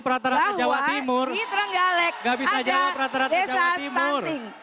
bahwa di trenggalek ada desa stunting